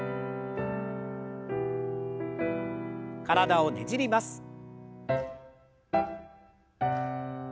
体をねじります。